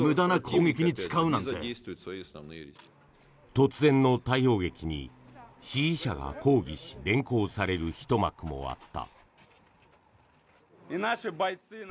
突然の逮捕劇に支持者が抗議し連行されるひと幕もあった。